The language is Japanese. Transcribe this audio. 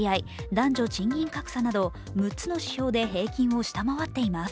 男女賃金格差など６つの指標で平均を下回っています